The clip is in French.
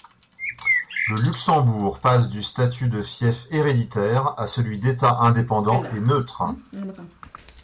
Le Luxembourg passe du statut de fief héréditaire à celui d'État indépendant et neutre.